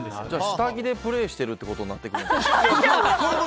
下着でプレーしてるということになってきますね。